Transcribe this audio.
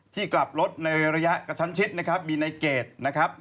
ที่กลับรถในระยะกระชั้นชิดบีไนเกรดนะครับ